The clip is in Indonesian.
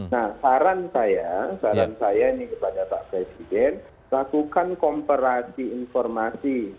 nah saran saya saran saya ini kepada pak presiden lakukan komparasi informasi